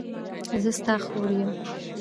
زه ستا خور یم.